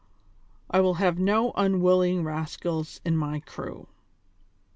I will have no unwilling rascals in my crew."